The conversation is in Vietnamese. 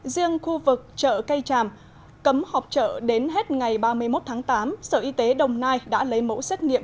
riêng khu vực chợ cây tràm cấm họp chợ đến hết ngày ba mươi một tháng tám sở y tế đồng nai đã lấy mẫu xét nghiệm